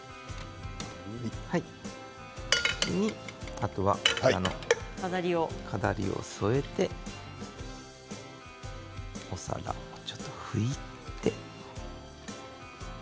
あとは飾りを添えてお皿をちょっと拭いて。